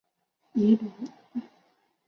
以卢汝弼代为副使。